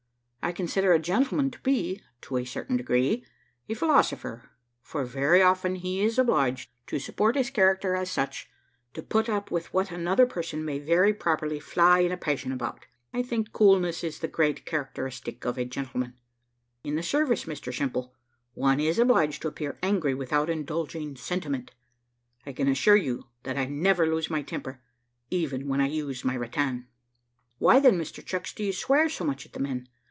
I consider a gentleman to be, to a certain degree, a philosopher; for very often he is obliged, to support his character as such, to put up with what another person may very properly fly in a passion about. I think coolness is the great characterstick of a gentleman. In the service, Mr Simple, one is obliged to appear angry without indulging the sentiment. I can assure you, that I never lose my temper, even when I use my rattan." "Why, then, Mr Chucks, do you swear so much at the men?